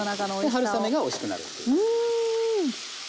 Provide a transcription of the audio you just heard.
春雨がおいしくなるという。